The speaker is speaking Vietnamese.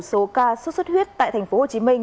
số ca xuất xuất huyết tại thành phố hồ chí minh